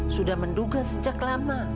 sudah menduga sejak lama